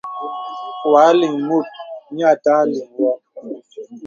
Wa lìŋ mùt nyə àtà liŋ wɨ.